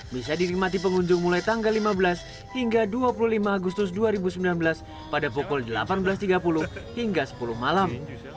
bisa dinikmati pengunjung mulai tanggal lima belas hingga dua puluh lima agustus dua ribu sembilan belas pada pukul delapan belas tiga puluh hingga sepuluh malam